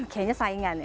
kayaknya saingan ya